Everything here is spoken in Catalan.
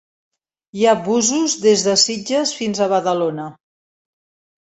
Hi ha busos des de sitges fins a Badalona.